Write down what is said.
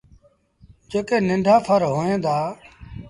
جيڪي ننڍآ ڦر هوئين دآ۔